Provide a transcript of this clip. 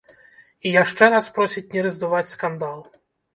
І яшчэ раз просіць не раздуваць скандал.